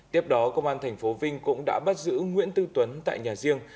tiếp đó công an thành phố vinh cũng đã bắt giữ nguyễn tư tuấn tại nhà riêng